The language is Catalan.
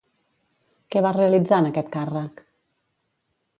Què va realitzar en aquest càrrec?